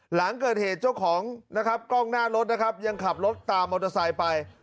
หลังเกิดเหตุเจ้าของนะครับกล้องหน้ารถนะครับยังขับรถตามมอเตอร์ไซค์ไป